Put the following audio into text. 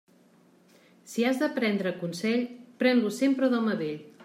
Si has de prendre consell, pren-lo sempre d'home vell.